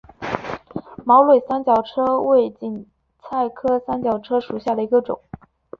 毛蕊三角车为堇菜科三角车属下的一个种。